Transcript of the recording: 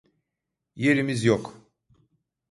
Yerimiz yok.